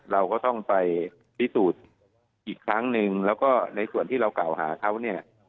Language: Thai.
เราก็ต้องไปพิสูจน์อีกครั้งหนึ่งแล้วก็ในส่วนที่เรากล่าวหาเขาเนี่ย